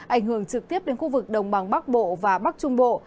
ảnh hưởng trực tiếp đến khu vực đồng bằng bắc bộ và bắc trung bộ